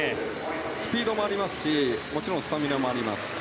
スピードもありますしスタミナもあります。